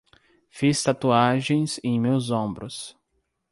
Fiz tatuagens em meus ombros